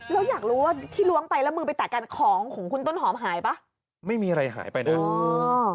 แล้วอยากรู้ว่าที่ล้วงไปแล้วมือไปแตะกันของของคุณต้นหอมหายป่ะไม่มีอะไรหายไปนะเออ